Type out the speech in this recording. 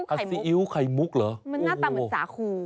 ผัดซีอิ๊วไข่หมุ๊กเหรอน่าจะเป็นสาครู